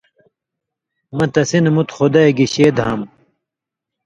مہ تسی نہ مُت خدائ گِشے دھام،